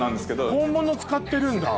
本物使ってるんだ？